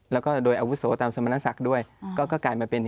แล้วก็โดยอาวุโสตามสมณศักดิ์ด้วยก็กลายมาเป็น